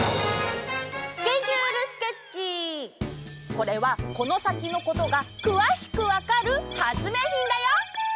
これはこのさきのことがくわしくわかる発明品だよ。